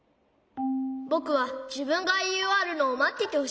ぼくはじぶんがいいおわるのをまっててほしい。